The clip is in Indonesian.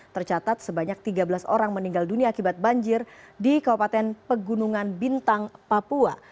tercatat sebanyak tiga belas orang meninggal dunia akibat banjir di kabupaten pegunungan bintang papua